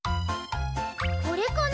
これかな？